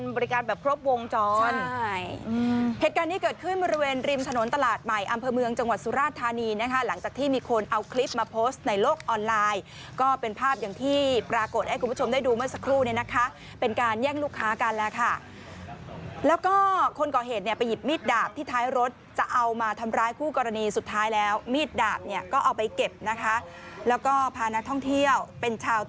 บริการแบบพรบวงจรเหตุการณ์ที่เกิดขึ้นมาริเวณริมถนนตลาดใหม่อำเภอเมืองจังหวัดสุราชธานีนะคะหลังจากที่มีคนเอาคลิปมาโพสต์ในโลกออนไลน์ก็เป็นภาพอย่างที่ปรากฎให้คุณผู้ชมได้ดูเมื่อสักครู่เนี่ยนะคะเป็นการแย่งลูกค้ากันแล้วค่ะแล้วก็คนก่อเหตุเนี่ยไปหยิบมีดดาบที่ท้ายรถจะเอามาทำร้ายผ